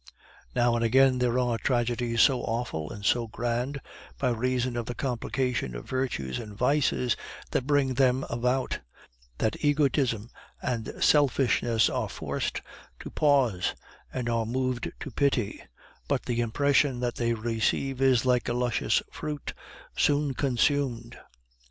Now and again there are tragedies so awful and so grand by reason of the complication of virtues and vices that bring them about, that egotism and selfishness are forced to pause and are moved to pity; but the impression that they receive is like a luscious fruit, soon consumed.